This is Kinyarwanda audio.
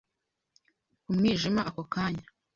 ku mwijima ako kanya